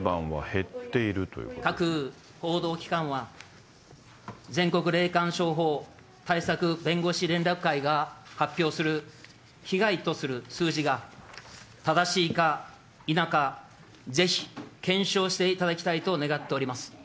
各報道機関は、全国霊感商法対策弁護士連絡会が発表する、被害とする数字が正しいか否か、ぜひ検証していただきたいと願っております。